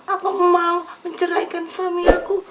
aku mau menceraikan suami aku